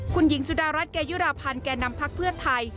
คุณหญิงสุดารัฐเกยุราพันธ์แก่นำพักเพื่อไทย